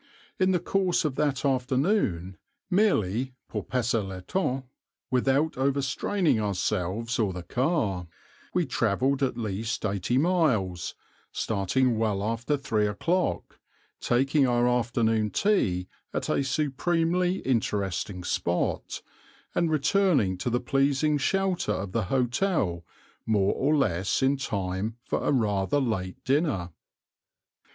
In the course of that afternoon, merely pour passer le temps, without overstraining ourselves or the car, we travelled at least eighty miles, starting well after three o'clock, taking our afternoon tea at a supremely interesting spot, and returning to the pleasing shelter of the hotel more or less in time for a rather late dinner.